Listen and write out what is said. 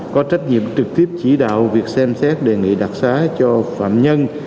có trách nhiệm trực tiếp chỉ đạo việc xem xét đề nghị đặc xá cho phạm nhân